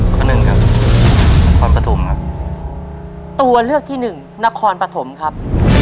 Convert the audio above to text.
คนหนึ่งครับนครปฐมครับตัวเลือกที่หนึ่งนครปฐมครับ